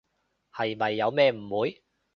係咪有咩誤會？